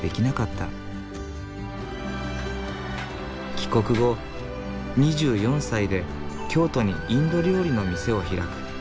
帰国後２４歳で京都にインド料理の店を開く。